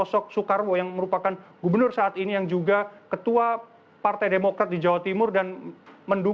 kemudian ada sosok soekarwo yang merupakan gubernur saat ini yang juga ketua partai demokrat di jawa timur dan mendukung pasangan nomor urut satu